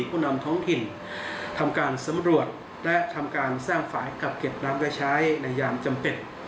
ผู้นำท้องถิ่นทำการสำรวจและทำการสร้างฝ่ายกักเก็บน้ำไว้ใช้ในยามจำเป็น